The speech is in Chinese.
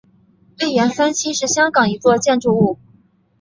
利园三期是香港一座建筑物。